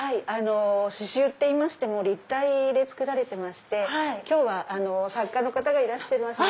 刺繍って言いましても立体で作られてまして今日は作家の方がいらしてますので。